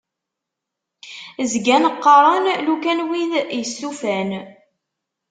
Zgan qqaṛen "lukan", wid istufan.